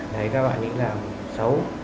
thấy các bạn ấy làm xấu